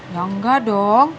ya enggak dong